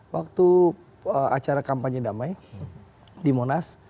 waktu acara kampanye damai di monas